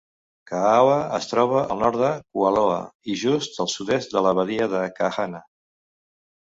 Kaaawa es troba al nord de Kualoa i just al sud-est de la badia de Kahana.